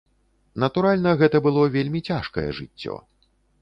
Натуральна, гэта было вельмі цяжкае жыццё.